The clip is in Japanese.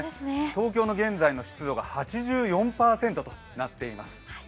東京の現在の湿度が８４％となっています。